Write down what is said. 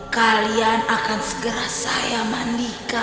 kalian akan segera saya mandikan